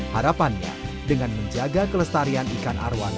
harapannya dengan menjaga kelestarian ikan arwan